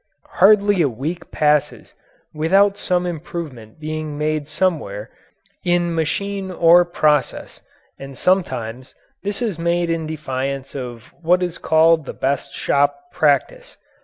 Hardly a week passes without some improvement being made somewhere in machine or process, and sometimes this is made in defiance of what is called "the best shop practice."